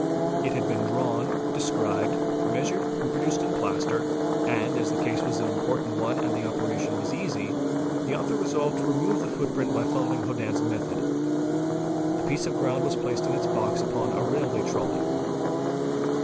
It had been drawn, described, measured, reproduced in plaster; and, as the case was an important one and as the operation was easy, the author resolved to remove the foot print by following Hodann's method. The piece of ground was placed ) in its box upon a railway trolly.